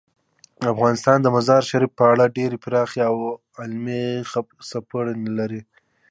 افغانستان د مزارشریف په اړه ډیرې پراخې او علمي څېړنې لري.